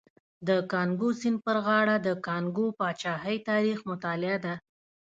د کانګو سیند پر غاړه د کانګو پاچاهۍ تاریخ مطالعه ده.